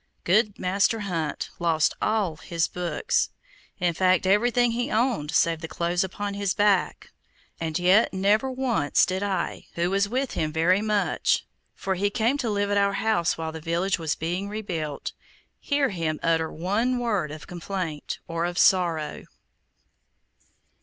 Good Master Hunt lost all his books, in fact, everything he owned save the clothes upon his back, and yet never once did I, who was with him very much, for he came to live at our house while the village was being rebuilt, hear him utter one word of complaint, or of sorrow.